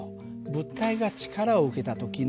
物体が力を受けた時の現象